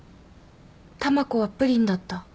たまこはプリンだった。